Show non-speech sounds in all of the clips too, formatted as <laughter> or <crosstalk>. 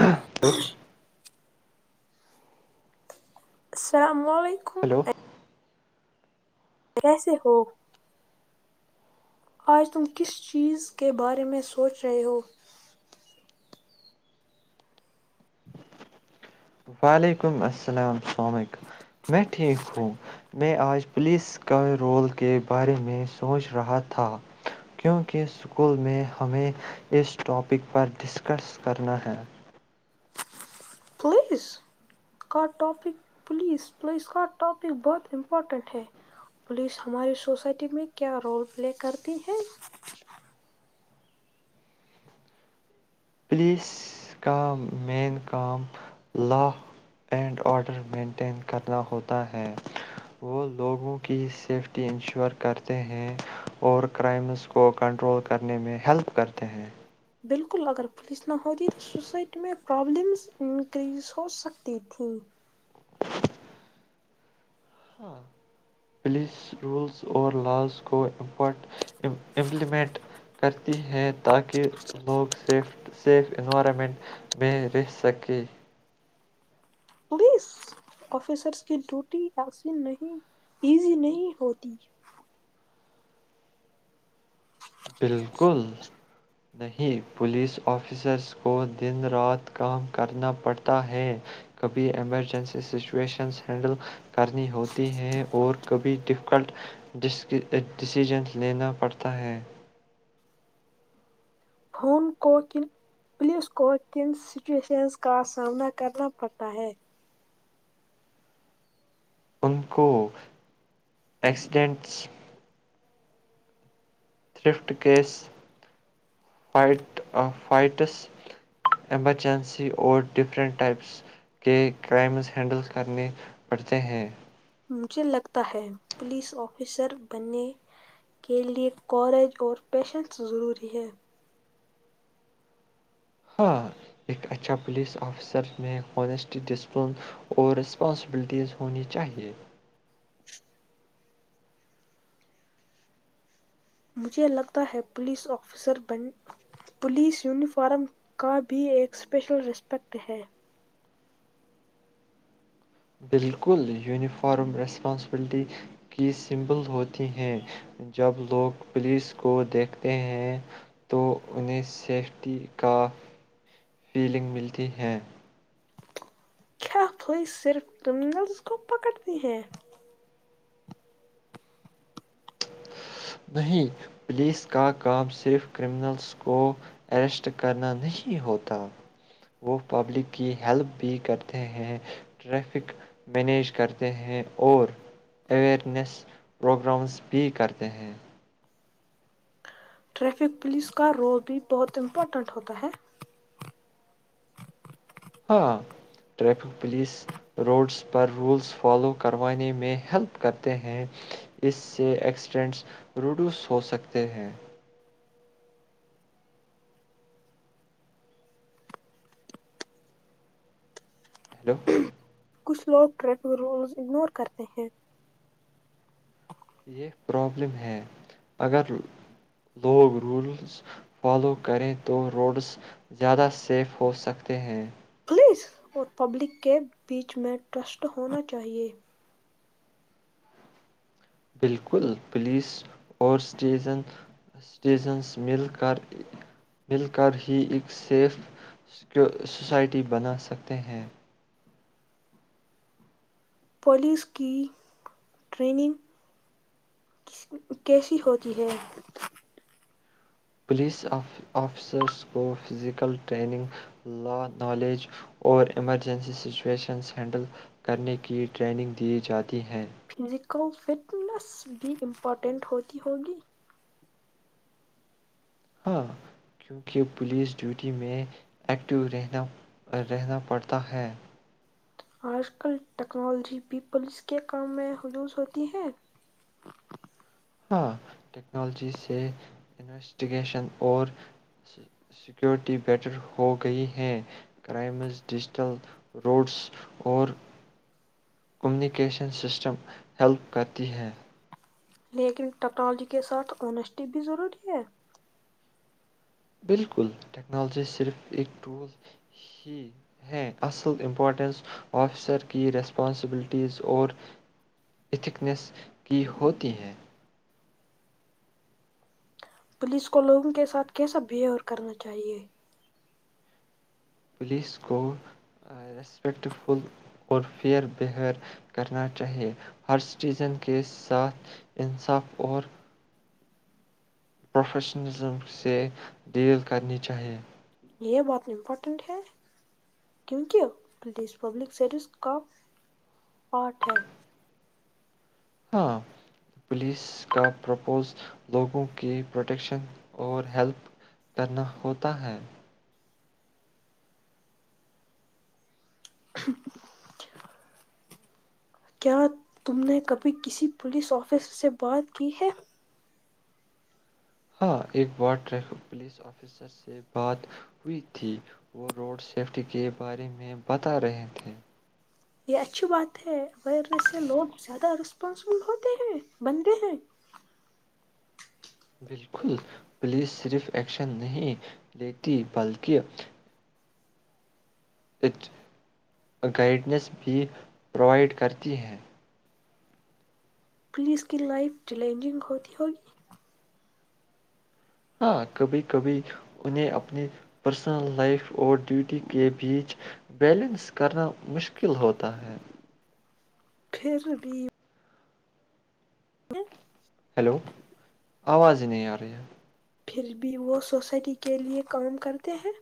hello س <inaudible> السلام علیکم ہیلو کیسے ہو آج تم کس چیز کے بارے میں سوچ رہے ہو وعلیکم السلام السلام علیکم میں ٹھیک ہوں میں آج پولیس کا رول کے بارے میں سوچ رہا تھا کیونکہ اسکول میں ہمیں اس ٹاپک پر ڈسکس کرنا ہے پولیس کا ٹاپک پولیس پولیس کا ٹاپک بہت امپورٹنٹ ہے پولیس ہماری سوسائٹی میں کیا رول پلے کرتی ہے پولیس کا مین کام لا اینڈ آڈر مینٹین کرنا ہوتا ہے وہ لوگوں کی سیفٹی انشور کرتے ہیں اور کرائمز کو کنٹرول کرنے میں ہیلپ کرتے ہیں بالکل اگر پولیس نہ ہوتی تو سوسائٹی میں پرابلمز انکریز ہو سکتی تھھی ہاں پولیس رولس اور لااز کو امپورٹ امپلیمنٹ کرتی ہے تاکہ لوگ سیف سیف انوائرمنٹ میں رہ سکے پولیس آفیسرس کی ڈیوٹی عسین نہیں ایزی نہیں ہوتی بالکل نہیں پولیس آفیسرس کو دن رات کام کرنا پڑتا ہے کبھی ایمرجنسی سچویشنز ہینڈل کرنی ہوتی ہیں اور کبھی ڈفیکلٹ ڈسیزنز لینا پڑتا ہے فون کو کن پولیس کو کن سچویشنز کا سامنا کرنا پڑتا ہے ان کو ایکسیڈینٹس تھرفٹ کیس فٹ فائٹس ایمرجنسی اور ڈفرنٹ ٹائپس کے کرائمز ہینڈل کرنے پڑتے ہیں مجھے لگتا ہے پولیس آفیسر بننے کے لئے کورج اور پیشنس ضروری ہے ہاں ایک اچھا پولیس آفیسر میں ہنیسٹی ڈسپلن اور رسپانسبلٹیز ہونی چاہیے مجھے لگتا ہے پوس آفسر پولیس یونیفارم کا بھی ایک اسپیشل ریسپیکٹ ہے بالکل یونیفارم ریسپانسبلٹی کی سمبل ہوتی ہیں جب لوگ پولیس کو دیکھتے ہیں تو انہیں سیفٹی کا فیلنگ ملتی ہیں کیا پھوئی صرف کرمنلز کو پکڑتی ہیں نہیں پولیس کا کام صرف کرمنلس کو اریسٹ کرنا نہیں ہوتا وہ پبلک کی ہیلپ بھی کرتے ہیں ٹریفک مینیج کرتے ہیں اور اوئرنیس پروگرامس بھی کرتے رہ ٹریفک پولیس کا رول بھی بہت امپورٹنٹ ہوتا ہے ہاں ٹریفک پولیس روڈس پر رولس فالو کروانے میں ہیلپ کرتے ہیں اس سے ایکسیڈنٹس روڈیوس ہو سکتے ہیں ہیلو کچھ لوگ ٹریفک رولز اگنور کرتے ہیں یہ پرابلم ہے اگر لوگ رولز فالو کریں تو روڈس زیادہ سیف ہو سکتے ہیں پس اور پبلک کے بیچ میں ٹرسٹ ہونا چاہیے بالکل پولیس اور سٹیزنز مل کر ہی ایک سیف سوسائٹی بنا سکتے ہیں پولیس کی ٹریننگ کیسی ہوتی ہے پولیس آفیسرس کو فزیکل ٹریننگ لا نالج اور ایمرجنسی سچویشنس ہینڈل کرنے کی ٹریننگ دی جاتی ہیں فزیکل فٹنس بھی امپارٹنٹ ہوتی ہوگی ہاں کیونکہ پولیس ڈیوٹی میں ایکٹیو رہنا رہنا پڑتا ہے آج کل ٹیکنالوجی پیپلس کے کام میں حلوظ ہوتی ہے ہاں ٹیکنالوجی سے انویسٹیگیشن اور سیکیورٹی بیٹر ہو گئی ہے کرائمز ڈیجیٹل روڈس اور کمیونیکیشن سسٹم ہیلپ کرتی ہیں لیکن ٹیکنالوجی کے ساتھ اونیسٹی بھی ضروری ہے بالکل ٹیکنالوجی صرف ایک ٹول ہی ہے اصل امپورٹنس آفیسر کی ریسپانسبلٹیز اور اتکنیس کی ہوتی ہیں پولیس کو لوگوں کے ساتھ کیسا بہیو کرنا چاہیے پولیس کو رسپیکٹ فل اور فیئر بہیر کرنا چاہیے ہر سٹیزن کے ساتھ انصاف اور پروفیشنزم سے ڈیل کرنی چاہیے یہ بات امپورٹنٹ ہے کیونکہ پولیس پبلک سروس کا پارٹ ہے ہاں پولیس کا پرپوز لوگوں کی پروٹیکشن اور ہیلپ کرنا ہوتا ہے کیا تم نے کبھی کسی پولیس آفسر سے بات کی ہے ہاں ایک بار ٹریفک پولیس آفیسر سے بات ہوئی تھی وہ روڈ سیفٹی کے بارے میں بتا رہے تھے یہ اچھی بات ہے اورنیس سے لوگ زیادہ رسپانسبل ہوتے ہیں بنتے ہیں بالکل پولیس صرف ایکشن نہیں لیتی بلکہ ا گائیڈنس بھی پرووائڈ کرتی ہیں پلیز کی لائف چیلنجنگ ہوتی ہوگی ہاں کبھی کبھی انہیں اپنی پرسنل لائف اور ڈیوٹی کے بیچ بیلنس کرنا مشکل ہوتا ہے پھر بھی ہ ہیلو آواز ہی نہیں آ رہی ہے پھر بھی وہ سوسائٹی کے لیے کام کرتے ہیں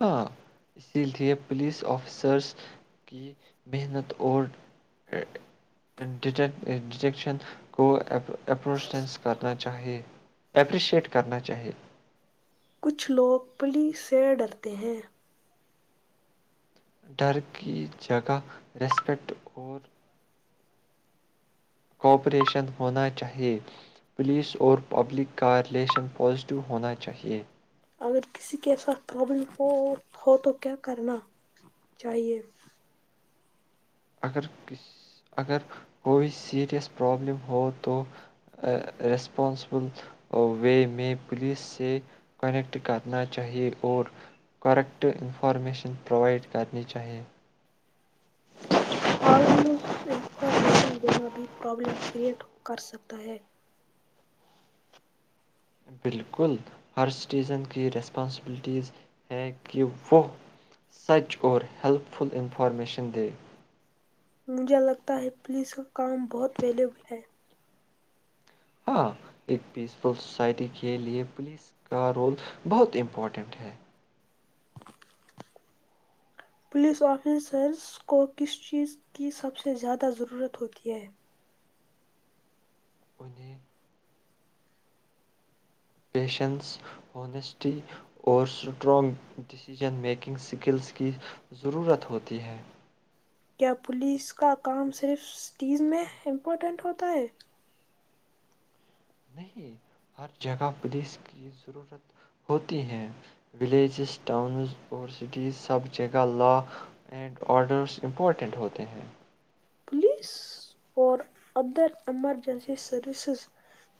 ہاں اسی لیے پولیس آفیسرس کی محنت اور ڈیٹیکشن کو اپونس کرنا چاہے اپریشیٹ کرنا چاہیے کچھ لوگ پلی سے ڈرتے ہیں ڈر کی جگہ ریسپیکٹ اور کوپریشن ہونا چاہیے پولیس اور پبلک کا ریلیشن پازیٹیو ہونا چاہیے اگر کسی کے ساتھ پرابلم ہو تو کیا کرنا چاہیے اگر کس اگر کوئی سیریس پرابلم ہو تو رسپانسبل وے میں پولیس سے کنیکٹ کرنا چاہیے اور کریکٹ انفارمیشن پروائڈ کرنی چاہیے ہال انفارمیشن دین بھی پرابلم کریئٹ کر سکتا ہے بالکل ہر سٹیزن کی ریسپانسبلٹیز ہیں کہ وہ سچ اور ہیلپ فل انفارمیشن دے مجھے لگتا ہے پولیس کا کام بہت ویلیوبل ہے ہاں ایک پیس فل سوسائٹی کے لیے پولیس کا رول بہت امپورٹنٹ ہے پولیس آفیسرز کو کس چیز کی سب سے زیادہ ضرورت ہوتی ہے انیں پیشنس ہونیسٹی اور سٹرانگ ڈسیژن میکنگ اسکلز کی ضرورت ہوتی ہے کیا پولیس کا کام صرف سٹیز میں امپورٹنٹ ہوتا ہے نہیں ہر جگہ پولیس کی ضرورت ہوتی ہیں ولیجز ٹاؤنز اور سٹیز سب جگہ لا اینڈ آڈرس امپورٹنٹ ہوتے ہیں پولیس اور ادر ایمرجنسی سروسز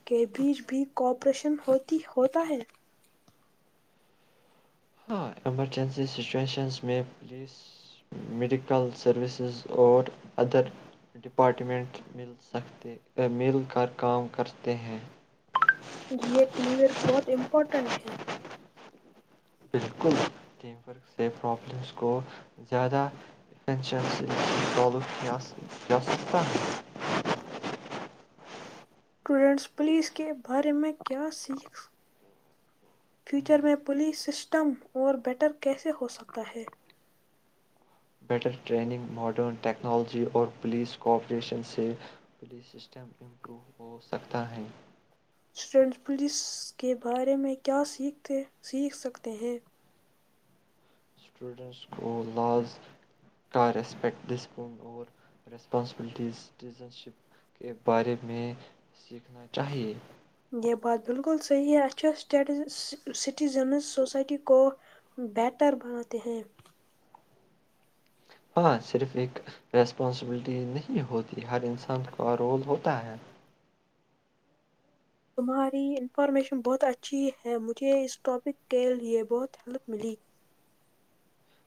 کے بیچ بھی کوپریشن ہوتی ہوتا ہے ہاں ایمرجنسی سچویشنز میں پولیس میڈیکل سروسز اور ادر ڈپارٹمنٹ مل سکتے مل کر کام کرتے ہیں یہ ٹیم ویئر بہت امپورٹنٹ ہے بالکل ٹیم ورک سے پرابلمس کو زیادہ سالو کیا سکتا ہے اسٹوڈنٹس پولیس کے بارے میں کیا سیکھ فیوچر میں پولیس سسٹم اور بیٹر کیسے ہوسکتا ہے بیٹر ٹریننگ ماڈرن ٹیکنالوجی اور پولیس کوآپریشن سے پولیس سسٹم امپرو ہو سکتا ہے اسٹوڈنٹ پولیس کے بارے میں کیا سیکھ سکتے ہیں اسٹوڈنٹس کو لااز کا رسپیکٹ ڈسپلن اور رسپانسبلٹیز سٹیزن شپ کے بارے میں سیکھنا چاہیے یہ بات بالکل صحیح ہے اس چ سٹیٹز سٹیزنز سسائٹی کو بہتر بناتے ہیں ہاں صرف ایک ریسپانسبلٹی نہیں ہوتی ہر انسان کا رول ہوتا ہے تمہاری انفارمیشن بہت اچھی ہے مجھے اس ٹاپک کے لیے بہت ہیلپ ملی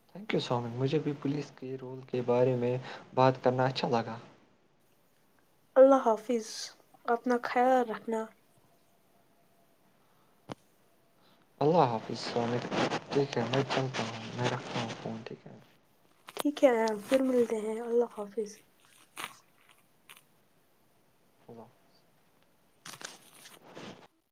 تھینک یو سو مچ مجھے بھی پولیس کے رول کے بارے میں بات کرنا اچھا لگا <unintelligible> اللہ حافظ اپنا خیال رکھنا اللہ حافظ ٹھیک ہے میں چلتا ہوں میں رکھتا ہوں فون ٹھیک ہے ٹھیک ہے پھر ملتے ہیں اللہ حافظ ہ <unintelligible>